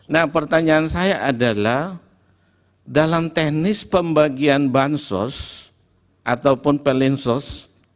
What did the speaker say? nah pertanyaan saya adalah dalam teknis pembagian bansos ataupun pelinsos